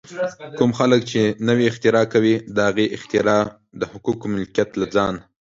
کوم خلک چې نوې اختراع کوي، د هغې اختراع د حقوقو ملکیت له ځان